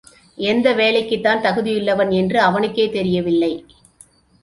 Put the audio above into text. எந்த வேலைக்குத் தான் தகுதியுள்ளவன் என்று அவனுக்கே தெரியவில்லை.